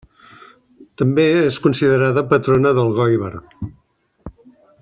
També és considerada patrona d'Elgoibar.